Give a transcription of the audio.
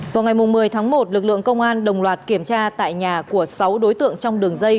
vào ngày một mươi tháng một lực lượng công an đồng loạt kiểm tra tại nhà của sáu đối tượng trong đường dây